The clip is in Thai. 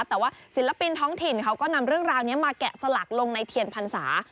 แต่ว่าศิลปินท้องถิ่นเขาก็นำเรื่องราวนี้มาแกะสลักลงในเทียนพรรษา